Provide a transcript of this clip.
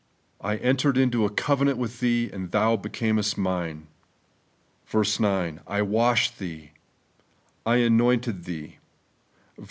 ' I entered into a covenant with thee, and thoa becamest mine ' (ver. 8). 4. ' I washed thee ' (ver, 9), 5. ' I anointed thee ' (ver.